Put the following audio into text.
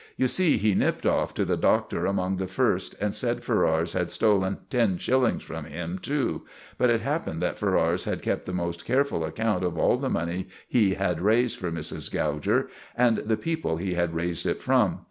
You see he nipped off to the Doctor among the first, and said Ferrars had stolen ten shillings from him too. But it happened that Ferrars had kept the most careful account of all the money he had raised for Mrs. Gouger and the people he had raised it from.